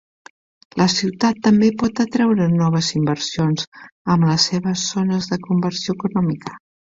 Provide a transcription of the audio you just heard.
La ciutat també pot atreure noves inversions amb les seves zones de conversió econòmica.